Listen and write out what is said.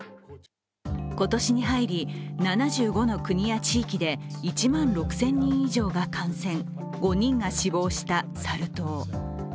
今年に入り、７５の国や地域で１万６０００人以上が感染５人が死亡したサル痘。